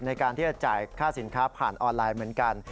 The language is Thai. ในการที่จะจ่ายค่าสินค้าผ่านออนไลน์เหมือนกัน